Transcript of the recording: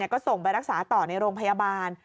ก็ส่งไปรักษาต่อในโรงพยาบาล